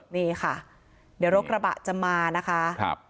นี่รถกระบะเก่งนะคะ